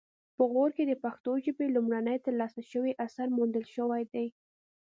په غور کې د پښتو ژبې لومړنی ترلاسه شوی اثر موندل شوی دی